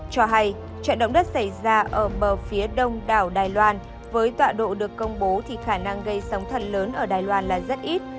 cho hay trận động đất xảy ra ở bờ phía đông đảo đài loan với tọa độ được công bố thì khả năng gây sóng thần lớn ở đài loan là rất ít